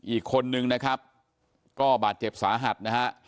อีกคนนึงนะครับก็บาดเจ็บสาหัสนะฮะ